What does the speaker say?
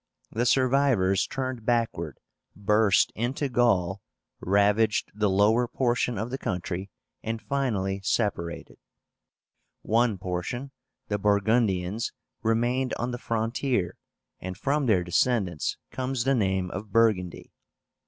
The survivors turned backward, burst into Gaul, ravaged the lower portion of the country, and finally separated. One portion, the Burgundians, remained on the frontier, and from their descendants comes the name of Burgundy.